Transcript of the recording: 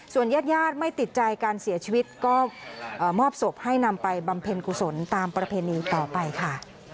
ญาติญาติไม่ติดใจการเสียชีวิตก็มอบศพให้นำไปบำเพ็ญกุศลตามประเพณีต่อไปค่ะ